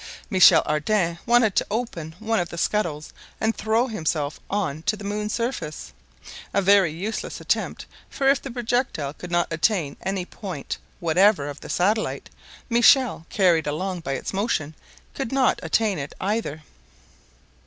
Michel Ardan wanted to open one of the scuttles and throw himself on to the moon's surface! A very useless attempt; for if the projectile could not attain any point whatever of the satellite, Michel, carried along by its motion, could not attain it either.